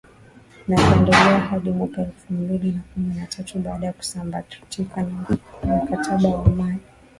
na kuendelea hadi mwaka elfu mbili na kumi na tatu baada ya kusambaratika kwa mkataba wa amani